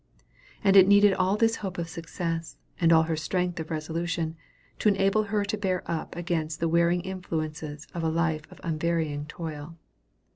And it needed all this hope of success, and all her strength of resolution, to enable her to bear up against the wearing influences of a life of unvarying toil.